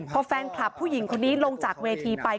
พอแฟนคลับผู้หญิงคนนี้ลงจากเวทีไป